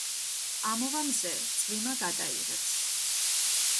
ამოვა მზე წვიმა გადაიღებს